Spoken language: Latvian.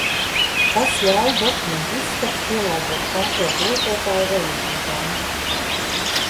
Tas ļauj dokumenta izskatu pielāgot konkrēta lietotāja vajadzībām.